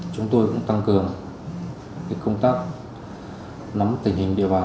chúng tôi cũng tăng cường công tác nắm tình hình địa bàn